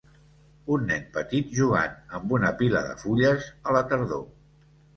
Un nen petit jugant amb una pila de fulles a la tardor.